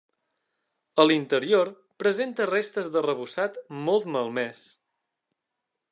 A l'interior presenta restes d'arrebossat molt malmès.